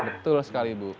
betul sekali bu